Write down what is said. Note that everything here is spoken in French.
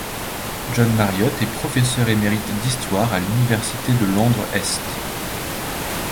John Marriott est professeur émérite d'histoire à l'université de Londres-Est.